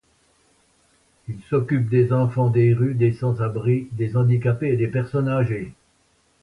Il s'occupe des enfants des rues, des sans-abri, des handicapés et des personnes âgées.